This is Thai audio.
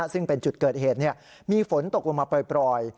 ซึ่งเป็นจุดเกิดเหตุมีฝนตกลงมาปล่อย